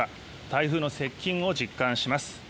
台風の接近を実感します。